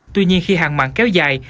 tuy nhiên khi hàng mặn kéo dài